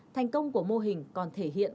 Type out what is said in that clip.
thành công của mô hình còn thể hiện